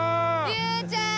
竜ちゃん！